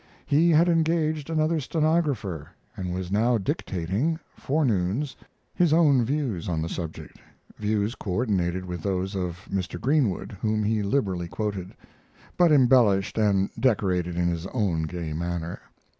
He had engaged another stenographer, and was now dictating, forenoons, his own views on the subject views coordinated with those of Mr. Greenwood, whom he liberally quoted, but embellished and decorated in his own gay manner.